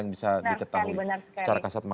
yang bisa diketahui secara kasat